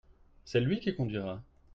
C’est lui qui conduira.